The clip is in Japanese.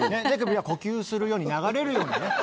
呼吸するように流れるように。